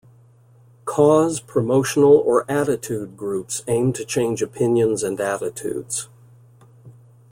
"Cause", "promotional" or "attitude" groups aim to change opinions and attitudes.